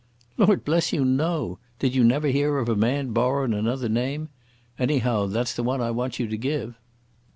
"Lord bless you, no. Did you never hear of a man borrowin' another name? Anyhow that's the one I want you to give."